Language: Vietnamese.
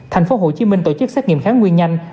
thành phố hồ chí minh tổ chức xét nghiệm kháng nguyên nhanh